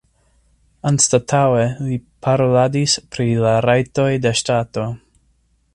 Anstataŭe li paroladis pri la rajtoj de ŝtato.